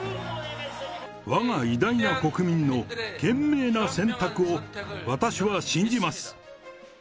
わが偉大な国民の賢明な選択を私は信じます。